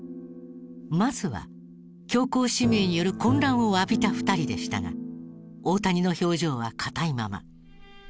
まずは強行指名による混乱をわびた２人でしたが大谷の表情は硬いまま。